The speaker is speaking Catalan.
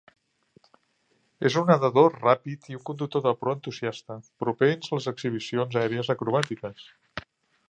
És un nedador ràpid i un conductor de proa entusiasta, propens a les exhibicions aèries acrobàtiques.